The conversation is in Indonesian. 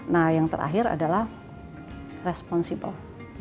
nah yang terakhir adalah responsible